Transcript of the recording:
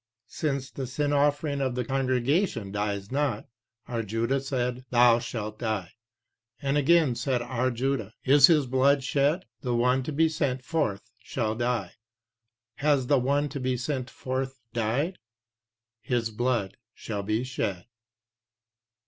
Since p. 130 the sin offering of the congregation dies not. R. Judah said, "thou shalt die;" 1 and again said R. Judah, "is his blood shed?" "The one to be sent forth shall die." "Has the one to be sent forth died?" "His blood shall be shed."